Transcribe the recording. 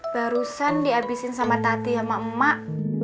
barusan di abisin sama tati sama emak